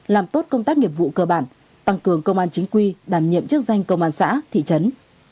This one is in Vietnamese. làm tốt công tác nghiệp vụ cơ bản tăng cường công an chính quy đảm nhiệm chức danh công an xã thị trấn